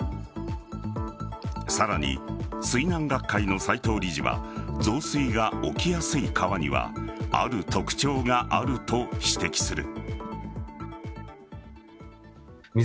さらに、水難学会の斎藤理事は増水が起きやすい川にはある特徴があると指摘する。